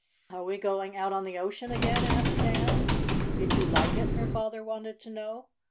"Are we going out on the ocean again?" asked Nan. "Did you like it?" her father wanted to know.